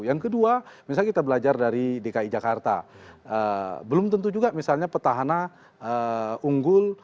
yang kedua misalnya kita belajar dari dki jakarta belum tentu juga misalnya petahana unggul